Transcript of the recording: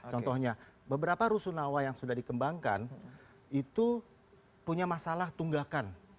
contohnya beberapa rusunawa yang sudah dikembangkan itu punya masalah tunggakan